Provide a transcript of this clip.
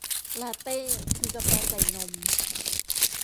ลาเต้ คือกาแฟใส่นม